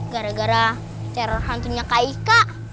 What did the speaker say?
gara gara teror hantunya kak ika